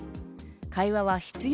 会話は必要